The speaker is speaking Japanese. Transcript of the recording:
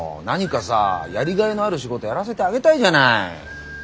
何かさやりがいのある仕事やらせてあげたいじゃない？